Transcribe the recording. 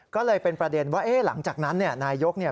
ก็เลยเป็นประเด็นว่าหลังจากนั้นนายกรัฐมนตรี